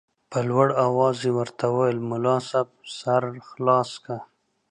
په لوړ اواز یې ورته وویل ملا صاحب سر خلاص که.